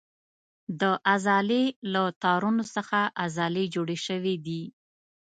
د عضلې له تارونو څخه عضلې جوړې شوې دي.